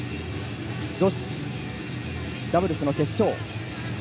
女子ダブルスの決勝。